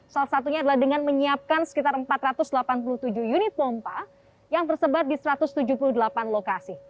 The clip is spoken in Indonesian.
salah satunya adalah dengan menyiapkan sekitar empat ratus delapan puluh tujuh unit pompa yang tersebar di satu ratus tujuh puluh delapan lokasi